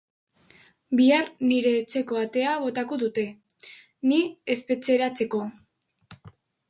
Bihar nire etxeko atea botako dute, ni espetxeratzeko.